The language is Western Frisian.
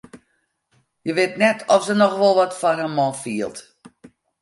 Hja wit net oft se noch wol wat foar har man fielt.